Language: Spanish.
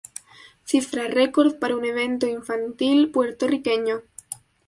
Cifra record para un evento infantil puertorriqueño.